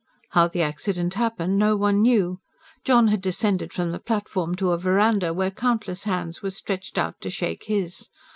How the accident happened no one knew. John had descended from the platform to a verandah, where countless hands were stretched out to shake his.